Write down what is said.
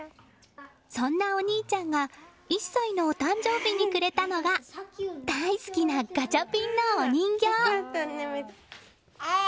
そんな兄ちゃんが１歳のお誕生日にくれたのが大好きなガチャピンのお人形。